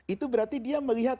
itu berarti dia melihat